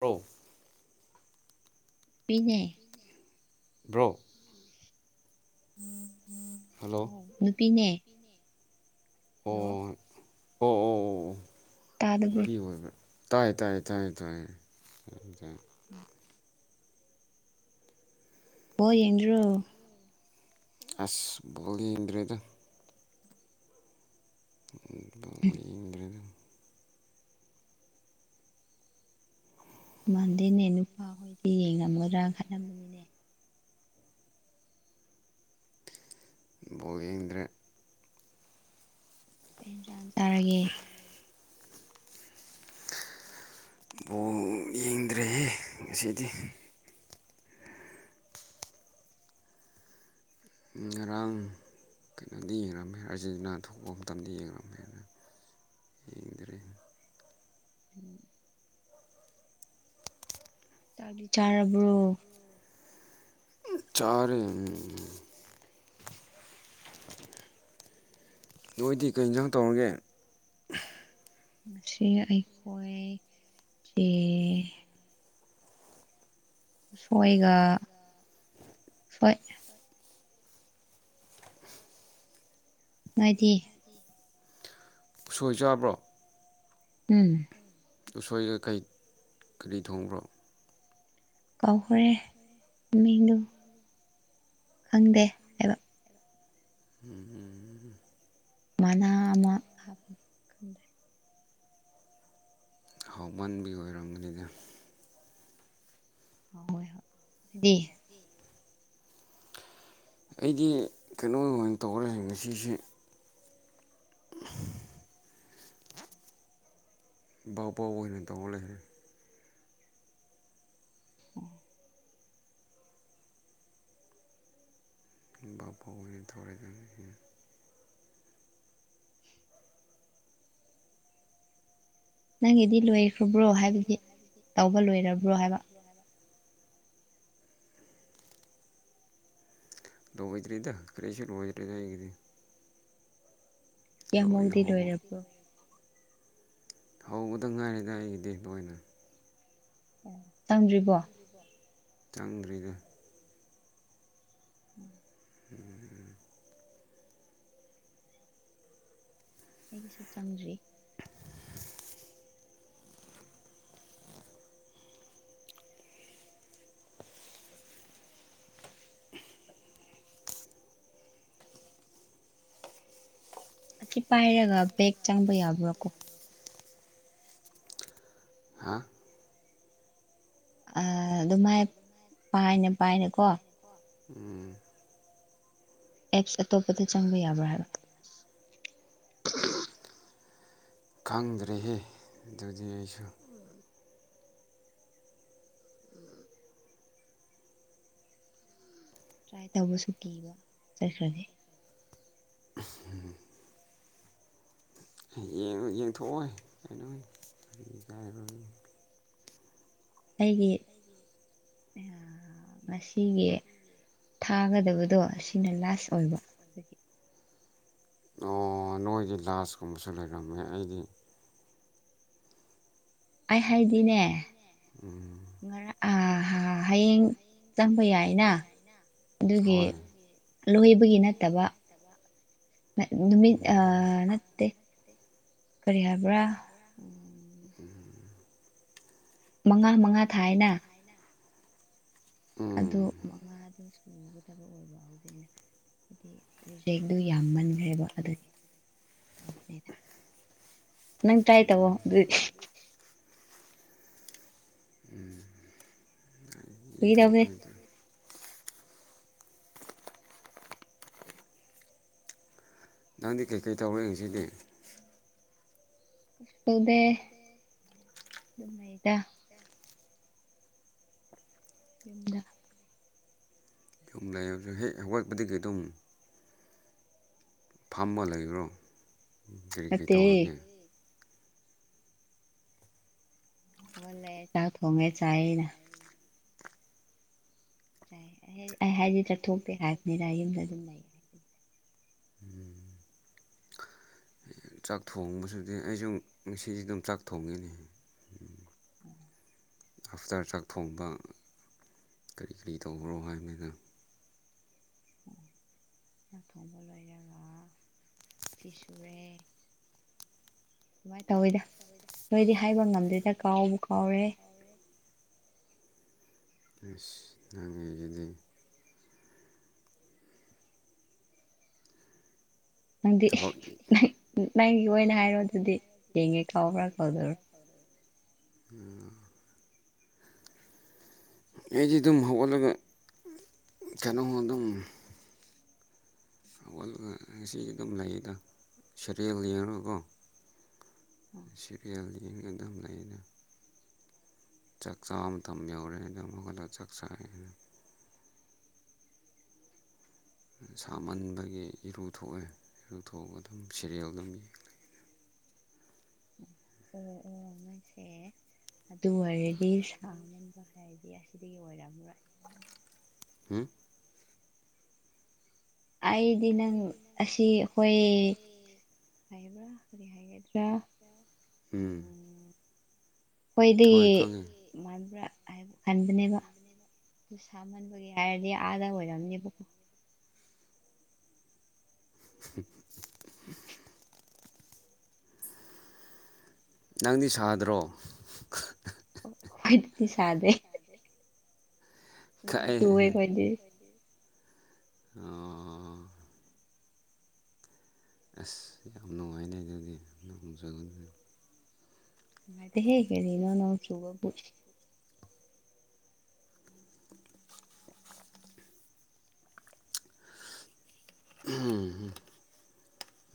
ꯔꯧ ꯄꯤꯅꯦ ꯕ꯭ꯔꯣ [inaudible] ꯅꯨꯄꯤꯅꯦ ꯑꯣ ꯑꯣ ꯍꯜꯂꯣ ꯑꯣ ꯑꯣ ꯑꯣ ꯇꯥꯗꯕ꯭ꯔꯣ ꯅꯨꯄꯤ ꯑꯣꯏꯕꯔ꯭ ꯇꯥꯏ ꯇꯥꯏ ꯇꯥꯏ ꯇꯥꯏ ꯎꯝ ꯕꯣꯜ ꯌꯦꯡꯗꯔꯣ ꯑꯁ ꯕꯣꯜ ꯌꯦꯡꯗ꯭ꯔꯦꯗ ꯎ [unintelligible] [unintelligible] ꯎꯝ ꯃꯥꯟꯗꯦꯅꯦ ꯅꯨꯄꯥꯍꯣꯏꯗꯤ ꯌꯦꯡꯉꯝꯒꯗ꯭ꯔꯥ ꯈꯠꯂꯝꯅꯤꯅꯦ ꯕꯣꯜ ꯌꯦꯡꯗ꯭ꯔꯦ ꯀꯩ ꯖꯥꯡ ꯆꯥꯔꯒꯦ ꯕꯣꯜ ꯌꯦꯡꯗ꯭ꯔꯦꯍꯦ ꯉꯁꯤꯗꯤ ꯉꯔꯥꯡ ꯀꯩꯅꯣꯗꯤ ꯌꯦꯡꯉꯝꯃꯦ ꯑꯥꯔꯖꯦꯟꯇꯤꯅꯥ ꯊꯣꯛꯄ ꯃꯇꯝꯗ ꯌꯦꯡꯝꯃꯦꯅ [inaudible] ꯎꯝ ꯆꯗꯤ ꯆꯥꯔꯕ꯭ꯔꯣ ꯆꯔꯦ ꯅꯣꯏꯗꯤ ꯀꯔꯤꯖꯪ ꯇꯧꯔꯒꯦ ꯉ ꯑꯩꯈꯣꯏ ꯆꯦ ꯁꯣꯏꯒ ꯁꯣꯏ ꯉꯅꯨꯡꯥꯏꯗꯤ ꯁꯣꯏꯖ ꯌꯥꯕ꯭ꯔꯣ ꯎꯝ ꯎꯁꯣꯏꯒ ꯀꯔꯤ ꯊꯣꯡꯕ꯭ꯔꯣ ꯀꯍꯔꯦ ꯃꯤꯗꯨꯨ ꯈꯪꯗꯦ ꯍꯥꯏꯕ ꯎꯝ ꯎꯝ ꯃꯅꯥ ꯑꯃ ꯊꯦ ꯍꯥꯎꯃꯟꯕꯤ ꯑꯣꯏꯔꯝꯒꯅꯤꯗ ꯍ ꯍꯣꯏ ꯍꯣꯏꯗꯤ ꯑꯩꯒꯤ ꯀꯩꯅꯣꯃ ꯑꯣꯏꯅ ꯇꯧꯔꯁꯤ ꯉꯁꯤꯁꯦ ꯕꯥꯥꯎ ꯄꯥꯎ ꯑꯣꯏꯅ ꯇꯧ ꯂꯩꯔꯦ ꯕꯕꯨ [unintelligible] ꯊꯧꯔꯦ ꯅꯪꯒꯤꯗꯤ ꯂꯣꯏꯈ꯭ꯔꯕ꯭ꯔꯣ ꯍꯥꯏꯕꯗꯤ ꯇꯧꯕ ꯂꯣꯏꯔꯕ꯭ꯔꯣ ꯍꯥꯏꯕ [unintelligible] ꯗꯣ ꯇꯔꯤꯗ ꯀꯦꯁꯨ ꯅꯣꯡ ꯇꯔꯤꯗ ꯍꯥꯏꯗꯤ ꯀꯃꯛꯗꯤ ꯂꯣꯏꯅꯔꯕ꯭ꯔꯣ ꯍꯧꯕꯗ ꯉꯥꯏꯔꯤꯦꯗ ꯑꯩꯒꯤ ꯗꯦꯛꯛꯇ ꯑꯣꯏꯅ ꯑꯣ ꯆꯪꯗ꯭ꯔꯤꯕꯣ ꯆꯪꯗ꯭ꯔꯤꯗ ꯎꯝ ꯎꯝ ꯎꯝ ꯑꯩꯒꯤꯁꯨ ꯆꯪꯗ꯭ꯔꯤ ꯑꯁꯤ ꯄꯥꯏꯔꯒ ꯕꯦꯦꯛ ꯆꯪꯕ ꯌꯥꯕ꯭ꯔꯥꯀꯣ ꯍꯥ ꯑ ꯑꯗꯨꯃꯥꯏ ꯄꯥꯏꯅꯦ ꯄꯥꯏꯅꯦꯀꯣ ꯎꯝ ꯑꯦꯞꯁ ꯑꯇꯣꯞꯄꯗ ꯆꯪꯕ ꯌꯥꯕ꯭ꯔꯥ ꯍꯥꯏꯕ ꯈꯪꯗ꯭ꯔꯦꯍ ꯑꯗꯨꯗꯤ ꯑꯩꯁꯨ ꯇ꯭ꯔꯥꯏ ꯇꯧꯕꯁꯨ ꯀꯤꯕ ꯆꯠꯈ꯭ꯔꯒꯦ ꯌꯦꯡꯊꯣꯛꯑꯣꯏ ꯀꯩꯅꯣ ꯑꯩꯒꯤ ꯉꯁꯤꯒꯤ ꯊꯥꯒꯗꯕꯗꯣ ꯁꯤꯅ ꯂꯥꯁ ꯑꯣꯏꯕ ꯑꯗꯨꯒꯤ ꯅ ꯅꯣꯏꯒꯤ ꯂꯥꯥꯁ ꯀꯨꯝꯕꯁꯨ ꯂꯩꯔꯝꯃꯦ ꯑꯩꯗꯤ ꯑꯩ ꯍꯥꯏꯗꯤꯅꯦ ꯎꯝ ꯉꯔꯥꯡ ꯑ ꯍꯌꯦꯡ ꯆꯪꯝꯕ ꯌꯥꯏꯅ ꯑꯗꯨꯒꯤ ꯍꯣꯏ ꯂꯣꯏꯍꯕꯒꯤ ꯅꯠꯇꯕ ꯅꯨꯃꯤ ꯑ ꯅꯠꯇꯦ ꯀꯔꯤ ꯍꯥꯏꯕ꯭ꯔꯥ ꯎ ꯃꯉꯥ ꯃꯉꯥ ꯊꯥꯏꯅ ꯑꯗꯨ ꯎꯝ ꯃꯉꯥꯗ ꯁꯨꯕꯗꯕ ꯑꯣꯏꯕ ꯍꯧꯖꯤꯛꯅꯦ ꯍꯥꯏꯗꯤ ꯔꯤꯖꯦꯛꯇꯨ ꯌꯥꯝꯃꯟꯈ꯭ꯔꯦꯕ ꯑꯗꯨꯒꯤ ꯇꯅꯤꯅ ꯅꯪ ꯇ꯭ꯔꯥꯏ ꯇꯕꯣ ꯏ ꯐꯥꯒꯤ ꯇꯧꯕꯅꯦ ꯇꯣꯛꯄꯤꯗ ꯅꯪꯗꯤ ꯀꯩꯀꯩ ꯇꯧꯔꯦ ꯌꯦꯡꯁꯤꯗꯤ ꯀꯁꯗꯦ ꯑꯗꯨꯗ ꯏꯂ ꯌꯨꯝ ꯂꯩꯕꯁꯨ ꯍꯦꯛ ꯍꯧꯒꯠꯄꯗꯒꯤ ꯑꯗꯨꯝ ꯐꯝꯃ ꯂꯩꯕ꯭ꯔꯣ ꯀꯔꯤ ꯀꯔꯤ ꯅꯠꯇꯦ ꯇꯧꯔꯒꯦ ꯍꯧꯒꯜꯂꯦ ꯆꯥꯛ ꯊꯣꯡꯉꯦ ꯆꯥꯏꯩꯅ ꯑꯩ ꯍꯥꯏꯗꯤ ꯆꯠꯊꯣꯛꯇꯦ ꯍꯥꯏꯕꯅꯤꯅ ꯌꯨꯝꯗ ꯑꯗꯨꯝ ꯂꯩꯌꯦ ꯍꯥꯏ ꯆꯥꯛ ꯊꯣꯡꯕꯁꯨꯗꯤ ꯑꯩꯁꯨ ꯉꯁꯤꯁꯨ ꯑꯗꯨꯝ ꯆꯥꯛ ꯊꯣꯡꯉꯤꯅꯤ ꯑꯐꯇꯔ ꯆꯥꯛ ꯊꯣꯡꯕ ꯀꯔꯤ ꯀꯔꯤ ꯇꯈꯔꯣ ꯍꯥꯏꯕꯅꯤꯗ ꯉꯥꯛ ꯊꯣꯡꯕ ꯂꯣꯏꯔꯒ ꯐꯤ ꯁꯨꯔꯦ ꯀꯃꯥꯏ ꯇꯧꯋꯤꯗ ꯅꯣꯏꯗꯤ ꯍꯥꯏꯕ ꯉꯝꯗꯦꯗ ꯀꯥꯎꯕ ꯀꯥꯎꯔꯦ [inaudible] ꯑꯁ ꯅꯪꯒꯤꯁꯤꯗꯤ ꯅꯪꯗꯤ ꯊꯕꯛ ꯅꯪꯒꯤ ꯑꯣꯏꯅ ꯍꯥꯏꯔꯣ ꯑꯗꯨꯗꯤ ꯌꯦꯡꯉꯦ ꯀꯥꯎꯕ꯭ꯔꯥ ꯀꯥꯎꯗ꯭ꯔꯥ ꯑꯩꯗꯤ ꯑꯗꯨꯝ ꯍꯧꯒꯠꯂꯒ ꯀꯩꯅꯣ ꯑꯗꯨꯝ ꯁꯔꯤꯅ [unintelligible] ꯑꯣ ꯁꯤ ꯁꯤ ꯀꯌꯥ ꯌꯦꯅ ꯀꯣ [unintelligible] ꯆꯥꯛꯆꯥ ꯃꯇꯝ ꯌꯧꫪꯅ ꯑꯃꯨꯛ ꯀꯥ ꯆꯥꯛ ꯆꯥꯅ ꯁꯥꯃꯟꯕꯒꯤ ꯏꯔꯨ ꯊꯣꯛꯑꯦ ꯏꯔꯨ ꯊꯣꯛꯑꯒ ꯑꯗꯨꯝ ꯁꯦꯔꯤꯦꯜ ꯑꯗꯨꯝ ꯌꯦꯡ ꯑꯣ ꯑꯣ ꯃꯁꯦ ꯑꯗꯨ ꯑꯣꯏꯔꯗꯤ ꯁꯥꯃꯟꯕ ꯍꯥꯏꯔꯗꯤ ꯑꯁꯤꯗꯒꯤ ꯑꯣꯏꯔꯝꯃꯔꯣꯏ [inaudible] ꯎꯝ ꯑꯩꯗꯤ ꯅꯪ ꯑꯁꯤ ꯍꯣꯏ ꯍꯥꯏꯕ꯭ꫪꯥ ꯀꯔꯤ ꯍꯥꯏꯒꯗ꯭ꯔꯥ ꯎꯝ ꯑꫭꯏꯗ‌ꯦ ꯍꯣꯏ ꯈꯪꯉꯦ ꯃꯥꯟꯕ꯭ꯔꯥ ꯈꯟꯕꯅꯦꯕ ꯑꯗꯨ ꯁꯥꯃꯟꯕꯒꯤ ꯍꯥꯏꯔꯗꯤ ꯑꯥꯗ ꯑꯣꯏꯔꯝꯅꯦꯕꯀꯣ ꯅꯪꯗꯤ ꯁꯥꯗꯔꯣ ꯍꯣꯏꯗꯤ ꯁꯥꯗꯦ [unintelligible] ꯅꯪ ꯀꯥꯏ ꯇꯨꯏꯎ‌ꯦ ꯑꯈꫭꯏꯗꯤ ꯑꯣ ꯑꯁ ꯌꯥꯝ ꯅꯨꯡꯉꯥꯏꯅꯦ ꯑꯗꯨꯗꯤ ꯅꯣꯡ ꯆꯨꯕꯗꯤ ꯅꯠꯇ‌ꯦꯍꯦ ꯀꯅꯤꯅꯣ ꯅꫭꯡꯆ‌ꯎꯕꯕꯨ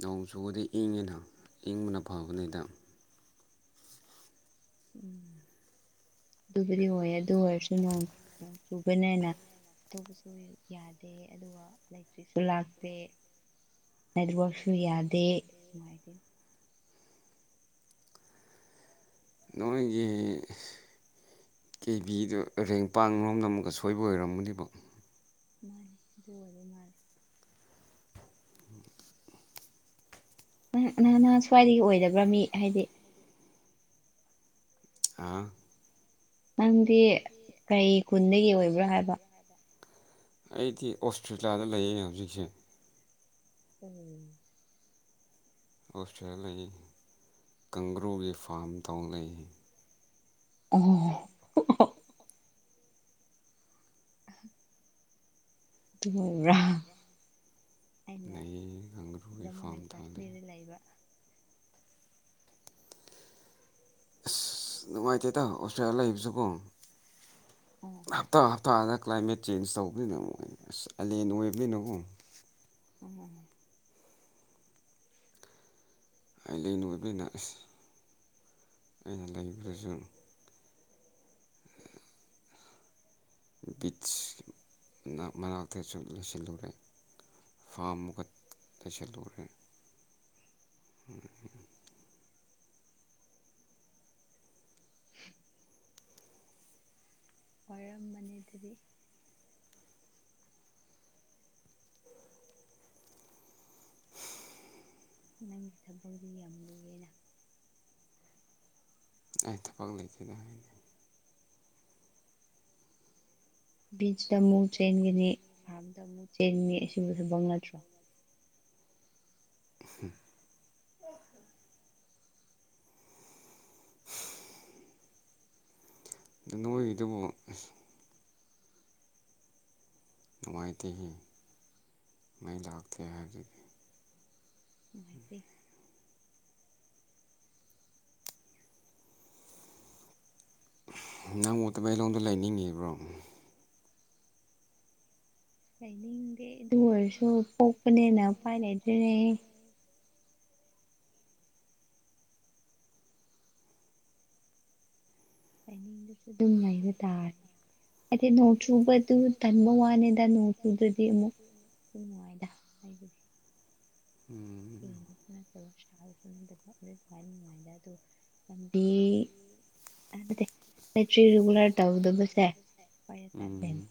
ꯅꯣꯡ ꯆꯨꯕꯗꯤ ꯏꯪꯉꯤꯅ ꯏꯪꯕꯅ ꯐꯕꯅꯤꯗ ꯑꯗꯨꯕꯨꯗꯤ ꯑꯣꯏ ꯑꯗꯨ ꯑꯣꯏꯔꯁꯨ ꯅꫭꯡ ꯆꯨꯕꯅꯤꯅ ꯇꯧꯕꯁꯨ ꯌꯥꯗꯦ ꯑꯗꯨꯒ ꯂꯩꯇ꯭ꯔꯤꯁꯨ ꯂꯥꯛꯇꯦ ꯅ‌ꯦꯠꯋꯥꯛꯁꯨ ꯌꯥꯗꯦ ꯅꯣꯏꯒꯤ ꯌꯦꯡꯄꯥꯡꯔꯣꯝꯗ ꯑꯃꯨꯛꯀ ꯁꯣꯏꯕ ꯑꯣꯏꯔꯝꯒꯅꯤꯕꫭ ꯃꯥꯅꯤ ꯑꯗꯨ ꯑꫭꯏꯕ ꯃꯂ‌ꯦ ꯅ ꯅꯍꯥꯟ ꯅꯍ ꯁ꯭ꯋꯥꯏꯗꯒꯤ ꯑꯣꯏꯗꯕ ꯃꯤ ꯍꯥꯏꯗꯤ ꯑ ꯅꯪꯗꯤ ꯀꯩ ꯈꯨꯟꯗꯒꯤ ꯑꯣꯏꯕ꯭ꯔꯥ ꯍꯥꯏꯕ ꯑꯩꯗꯤ ꯑꯣꯁꯇ꯭ꯔꯤꯂꯤꯌꯥꯗ ꯂꯩꯌꯦ ꯍꯧꯖꯤꯛꯁꯦ ꯎꯝ [unintelligible] ꯑꫭꯁꯇ꯭ꫪꯤꯌꯗ ꯂꯩꯌ‌ꯦ ꯕꯤ ꯐꯥꯝ ꯇꯧ ꯂꯩꯌ‌ꯦ꯫ ꯑꯣ ꯑꯗꯨ [unintelligible] ꯑꯩꯅ ꯂꯩꯌꯦ ꯀꯪꯒ꯭ꯔꯨꯒꯤ ꯖꯃꯨ ꯐꯥꯔꯝ ꯑꯦꯟ ꯇꯧ ꯂꯩꯌꯦ ꯀꯥꯁꯃꯤꯔꯗ ꯂꯩꯕ ꯑꯁ ꯅꯨꯡꯉꯥꯏꯇꯦꯗ ꯑꯣꯁꯇ꯭ꯔꯦꯂꯤꯌꯥ ꯂꯩꯕꯁ‌ꯦꯀꯣ ꯍꯞꯇꯥ ꯍꯞꯇꯥꯗ ꯀ꯭ꯂꯥꯏꯃꯦꯠ ꯆꯦꯟꯖ ꯇꯧꯕꯅꯤꯅ ꯑꯁ ꯑꯂꯦꯟ ꯑꯣꯏꯕꯅꯤꯅꯀꫭ ꯎꯝ ꯑꯣꯏꯕꯅ ꯑꯁ ꯑꯗꯨꯒ [unintelligible] ꯕꯤꯠꯁ ꯅꯛ ꯃꯅꯥꯛꯇꯁꯨ ꯂꯩꯁꯤꯜꯂꯨꯔꯦ ꯐꯥꯝꯃꯨꯛꯀ ꯂꯩꯁꯤꯜꯂꯨꯔꯦ ꯑ [unintelligible] [inaudible] ꯋꯥꯏꯔꯝꯃꯅꯦꯗꯨꯗꯤ ꯅꯪꯒꯤ ꯊꯕꯛꯗꯤ ꯌꯥꯝ ꯂꯨꯋꯦꯅ ꯇꯪꯉ ꯂꯩꯈꯗꯦ [unintelligible] ꯕꯤꯆꯇ ꯑꯃꯨꯛ ꯆꯦꯟꯒꯅꯤ ꯐꯥꯔꯝꯗ ꯑꯃꯨꯛ ꯆꯦꯟꯒꯅꯤ ꯑꯁꯤꯕꯨ ꯐꯪꯛ ꯅꯠꯇ꯭ꯔꯣ ꯑꯗꯨ ꯅꯣꯏꯒꯤꯗꯨꯕꯨ ꯃꯅꯨꯡꯉꯥꯏꯇꯒꯤ ꯇꯥꯛꯇꯦ ꯍꯥꯏꯒꯗꯤ ꯅꯨꯡꯉꯥꯏꯇꯦ ꯃꯨ ꯇꯃꯦꯂꯣꯡꯗ ꯂꯩꯅꯤꯡ ꯂꯩꯅꯤꯡꯗꯦ ꯑꯗꯨ ꯑꯣꯏꯔꯁꯨ ꯄꯣꯛꯄꯅꯦꯅ ꯄꯥꯏ ꯂꯩꯗ꯭ꯔꯤꯅꯦ ꯑꯩꯅꯁꯨ ꯅꯩꯕ ꯇꯥꯔꯅꯤ ꯑꯩꯗꯤ ꯅꯣꯡ ꯆꯨꯕꯗꯨ ꯇꯟꯕ ꯋꯥꯅꯤꯗ ꯅꯣꯡ ꯆꯨꯗ꯭ꯔꯗꯤ ꯑꯃꯨꯛ ꯅꯨꯡꯉꯥꯏꯗ ꯍꯥꯏꯕ ꯎꯝ ꯅꯨꯡꯉꯥꯏ ꯑꯗꯣ ꯂꯝꯕꯤ ꯑꯔꯤ ꯔꯤꯒꯨꯂꯔ ꯇꯧꯗꯕꯁꯦ ꯎꯝ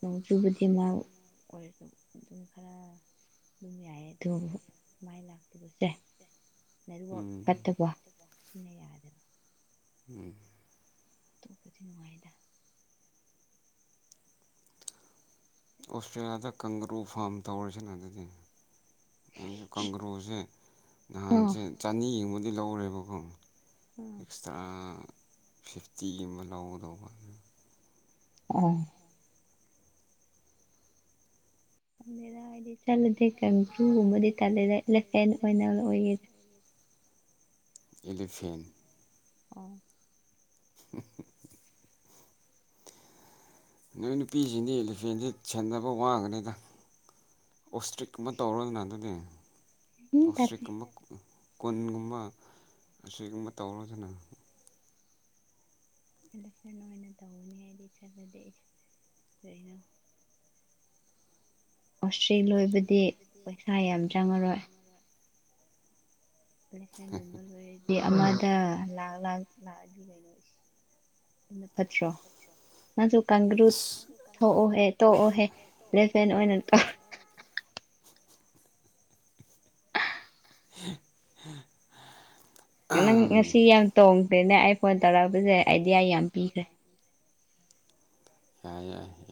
ꯅꯣꯡꯖꯨꯕꯗꯤ ꯃꯥ ꯑꯣꯏꯔꯁꯨ ꯑꯗꯨꯝ ꯈꯔꯥ ꯂꯨꯝꯅꯤ ꯍꯥꯏ ꯊꯣ ꯃꯥꯏꯅ ꯑꯗꯨꯒꯁꯦ ꯅꯦꯠꯋꯥꯛ ꯎꯝ ꯐꯠꯇꯕ ꯑꯁꯤꯅ ꯌꯥꯗꯕ ꯎꯝ ꯇꯣꯄꯗꯤꯅꯨꯡꯉꯥꯏꯗ ꯑꯣꯁꯇ꯭ꯔꯦꯂꯤꯌꯥꯗ ꯀꯥꯡꯒ꯭ꯔꯨ ꯐꯥꯝ ꯇꯧꯔꯤꯁꯤꯅ ꯑꯗꯨꯗꯤ ꯑꯩꯁꯨ ꯀꯪꯒ꯭ꯔꯨꯁꯦ ꯑꯥ ꯅꯍꯥꯟꯁꯦ ꯆꯅꯤ ꯌꯦꯡꯕꯗꯤ ꯂꯧꯔꯦꯕꯀꯣ ꯑꯥ ꯑꯦꯛꯁꯇ꯭ꯔꯥ ꯐꯤꯐꯇꯤꯒꯨꯝ ꯑꯃ ꯂꯧꯒꯗꯧꯕ ꯑ ꯔ ꯍꯥꯏꯗꯤ ꯆꯠꯂꯗꯤ ꯀꯥꯡꯀꯨꯒꯨꯝꯕꯗꯤ ꯇꯂꯦꯗꯦ ꯂꯦꯐꯍꯦꯟ ꯑꯣꯏꯅ ꯑꯣꯏ ꯑꯦꯂꯤꯐꯦꯟ ꯑꯣ ꯎ ꯅꯣꯏ ꯅꯨꯄꯤꯁꯤꯡꯗꯤ ꯏꯂꯤꯐꯦꯟꯁꯤ ꯁꯦꯟꯅꯕ ꯋꯥꯡꯉꯅꯤꯗ ꯑꯣꯁꯇ꯭ꯔꯤꯛꯀꯨꯝꯕ ꯇꯧꯔꯣꯗꯅ ꯑꯗꯨꯗꯤ ꯎꯝ ꯇꯜꯂꯦ ꯑꯣꯁꯇ꯭ꯔꯤꯛꯀꯨꯝꯕ ꯀꯨꯟꯒꯨꯝꯕ ꯑꯁꯤꯒꯨꯝꯕ ꯇꯧꯔꯣꯗꯅ ꯏꯂꯦꯐꯦꯟ ꯑꯣꯏꯅ ꯇꯧꯒꯅꯤ ꯍꯥꯏꯗꯤ ꯆꯠꯂꯗꯤ ꯀꯩꯅꯣ ꯑꯣꯁꯇ꯭ꯔꯤꯛ ꯂꯣꯏꯕꯗꯤ ꯄꯩꯁꯥ ꯌꯥꯝ ꯆꯪꯉꯔꯣꯏ ꯎ ꯏꯂꯦꯛꯁꯟꯒꯨꯝꯕ ꯂꯣꯏꯔꯗꯤ ꯑꯃꯗ ꯂꯥꯛ ꯂꯥꯛ ꯂꯥꯛꯑꯗꯤ ꯀꯩꯅꯣ ꯑꯗꯨ ꯐꯠꯇ꯭ꯔꯣ ꯅꯁꯨ ꯀꯥꯡ꯭ꯔꯨ ꯑꯁ ꯊꯣꯛꯎꯍꯦ ꯇꯣꯛꯎꯍꯦ ꯂꯦꯐꯍꯦꯟ ꯑꯣꯏꯅ [inaudible] ꯅꯪ ꯑꯗꯨ ꯉꯁꯤ ꯌꯥꯝ ꯇꯣꯡꯗ꯭ꯔꯦꯅꯦ ꯑꯩ ꯐꯣꯟ ꯇꯧꯔꯛꯄꯁꯦ ꯑꯥꯏꯗꯤꯌꯥ ꯌꯥꯝ ꯄꯤꯈ꯭ꯔꯦ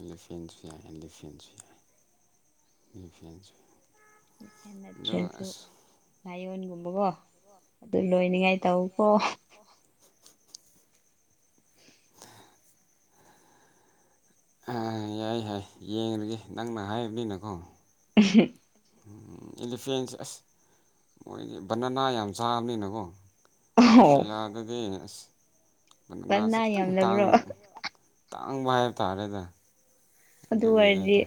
ꯂꯤꯐꯦꯟꯁꯨ ꯌꯥꯏꯐꯦꯟꯁꯨ ꯌꯥꯐꯁꯨ ꯅꯠꯇ꯭ꯔꯁꯨ ꯂꯥꯏꯌꯣꯟꯒꯨꯝꯕꯀꯣ ꯑꯗꯨ ꯂꯣꯏꯅꯤꯉꯥꯏ ꯇꯎꯀꯣ ꯑ ꯌꯥꯏ ꯌꯥꯏ ꯌꯦꯡꯒꯦ ꯅꯪꯅ ꯍꯥꯏꯕꯅꯤꯅꯀꯣ ꯎ ꯎ ꯏꯂꯤꯐꯦꯟꯁꯦ ꯑꯁ ꯃꯣꯏꯗꯤ ꯕꯅꯅꯥ ꯌꯥꯝ ꯆꯥꯕꯅꯤꯅꯀꯣ ꯑꯣꯁꯇ꯭ꯔꯦꯂꯤꯌꯥꯗꯗꯤ ꯑꯁꯅꯥꯁ ꯄꯅꯥ ꯈꯤꯇꯪ ꯇꯥꯡ ꯌꯥꯝꯗꯕ꯭ꯔꯣ ꯈꯤꯇꯥꯡꯕ ꯍꯥꯏꯕ ꯇꯥꯔꯦꯗ ꯑꯗꯨ ꯑꯣꯏꯔꯗꯤ ꯑꯗꯨꯒꯤꯗꯩꯗ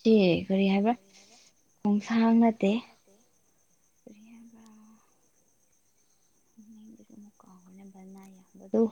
ꯁꯤ ꯀꯔꯤ ꯍꯥꯏꯕ꯭ꯔꯥ ꯈꯣꯡꯁꯥꯡ ꯅꯠꯇꯦ ꯔꯤꯍꯔ ꯄꯔ ꯁꯨ ꯑꯃꯨꯛ ꯀꯥꯎꯒꯅꯦꯕꯅ ꯌꯥꯕꯗꯣ